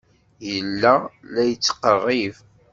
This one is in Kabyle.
Yella la d-yettqerrib.